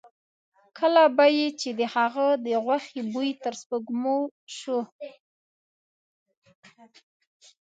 کله به یې چې د هغه د غوښې بوی تر سپېږمو شو.